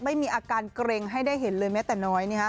ไม่มีอาการเกร็งให้ได้เห็นเลยแม้แต่น้อย